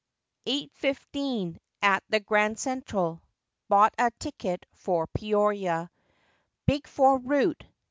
Eight fifteen, at the "Grand Central." Bought a ticket for Peoria— "Big Four route."